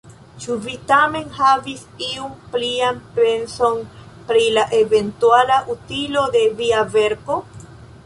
Ĉu vi tamen havis iun plian penson, pri la eventuala utilo de via verko?